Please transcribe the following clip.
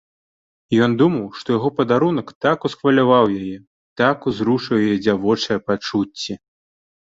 Ён думаў, што яго падарунак так усхваляваў яе, так узрушыў яе дзявочыя пачуцці.